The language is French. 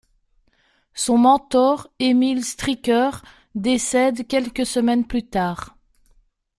Son mentor Emil Stricker décède quelques semaines plus tard.